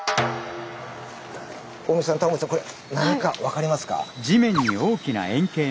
近江さんタモリさんこれ何か分かりますか？